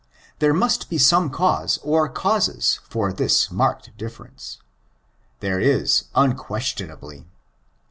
There must be some cause or causes for this marked difference. There is, imquestionablj.